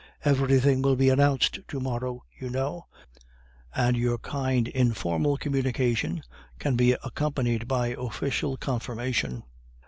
Everything will be announced to morrow, you know, and your kind informal communication can be accompanied by official confirmation."